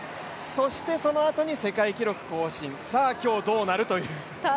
そしてそのあとに世界記録更新、さあ今日どうなるという。